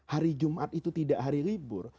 hari jumat itu tidak hari libur